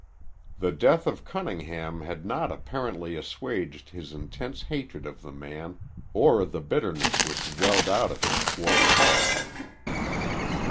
The death of Cunningham had not apparently assuaged his intense hatred of the man or the bitterness which welled out of him toward Hull.